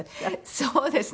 そうですね